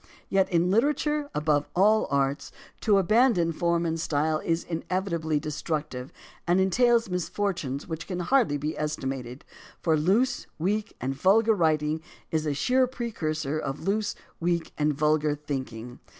Yet, in literature above all arts, to abandon form and style is inevitably destructive and entails misfortunes which can hardly be estimated, for loose, weak, and vulgar writing is a sure precursor of loose, weak, and vulgar thinking.